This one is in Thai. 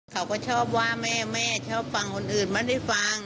เขาก็ชอบว่าแม่แม่ชอบฟังคนอื่นไม่ได้ฟัง